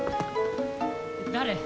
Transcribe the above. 誰？